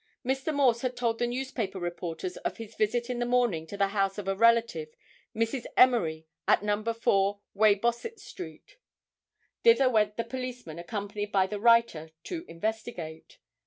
Mr. Morse had told the newspaper reporters of his visit in the morning to the house of a relative, Mrs. Emery at No. 4 Weybosset street. Thither went the policeman accompanied by the writer to investigate.